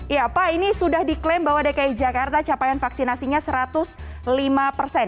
ya pak ini sudah diklaim bahwa dki jakarta capaian vaksinasinya satu ratus lima persen